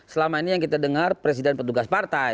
selama ini yang kita dengar presiden petugas partai